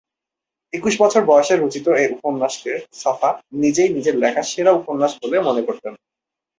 একুশ বছর বয়সে রচিত এ উপন্যাসকে ছফা নিজেই নিজের লেখা সেরা উপন্যাস বলে মনে করতেন।